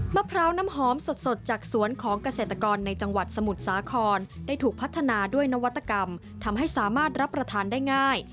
มะพร้าวน้ำหอมสดจากสวนของเกษตรกรในจังหวัดสมุทรสาครได้ถูกพัฒนาด้วยนวัตกรรมทำให้สามารถรับประทานได้ง่าย